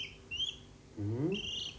うん？